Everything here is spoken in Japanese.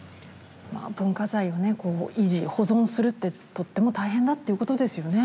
文化財を維持保存するってとっても大変だということですよね。